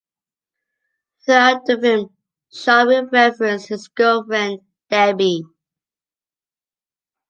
Throughout the film Shawn references his "girlfriend Debbie".